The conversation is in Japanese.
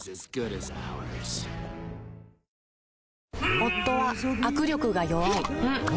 夫は握力が弱い